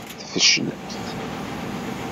Tfeclemt.